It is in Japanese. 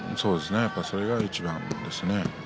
それがいちばんですね